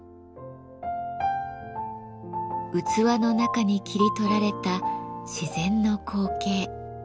器の中に切り取られた自然の光景。